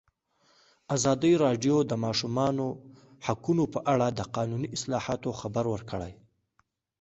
ازادي راډیو د د ماشومانو حقونه په اړه د قانوني اصلاحاتو خبر ورکړی.